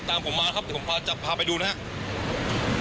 ตามผมมานะครับเดี๋ยวผมพาไปดูนะครับ